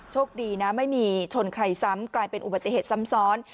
โชคดีนะไม่มีชนใครซ้ำกลายเป็นอุบัติเหตุซ้ำซ้อน